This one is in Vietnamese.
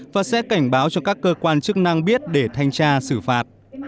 và sẽ cảnh báo cho các cơ quan chức năng biết để thanh tra xử phạt